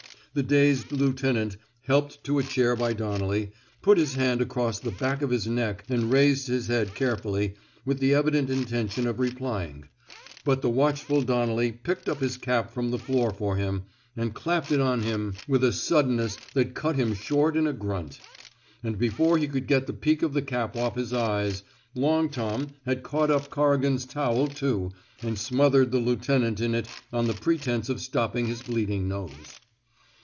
" The dazed lieutenant — helped to a chair by Donnelly — put his hand across the back of his neck and raised his head carefully, with the evident intention of replying. But the watchful Donnelly picked up his cap from the floor for him, and clapped it on him with 270 A PERSONALLY CONDUCTED REVOLT a suddeAness that cat him short in a grunt; and before he could get the peak of the cap oflf his eyes, Long Tom '* had caught up Corrigan's towel, too, and smothered the lieu tenant in it on the pretence of stopping his bleeding nose.